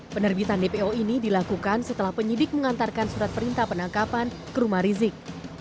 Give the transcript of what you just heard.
penerbitan dpo ini dilakukan setelah penyidik mengantarkan surat perintah penangkapan ke rumah rizik